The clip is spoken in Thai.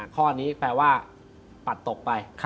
ข้อนี้แปลว่าปัดตกไป